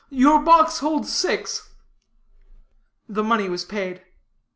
Your box holds six." The money was paid.